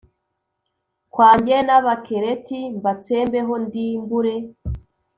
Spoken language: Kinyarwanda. kwanjye n Abakereti mbatsembeho ndimbure